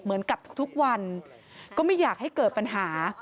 เหมือนกับทุกวันก็ไม่อยากให้เกิดปัญหา